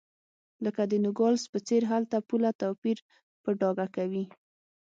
لکه د نوګالس په څېر هلته پوله توپیر په ډاګه کوي.